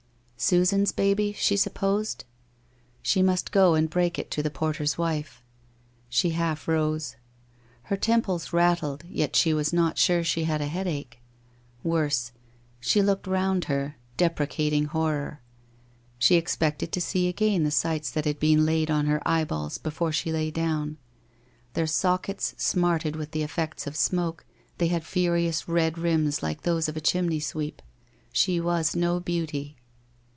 Susan's baby, she supposed? She must go and break it to the porter's wife. She half rose. Her temples rattled yet she was not sure she had a headache. Worse. She looked round her, deprecating horror. She expected to see again the sights that had been laid on her eyeballs before she lay down. Their sockets smarted with the effects of smoke, they had furious red rims like those of a chim ney sweep. She was no beauty.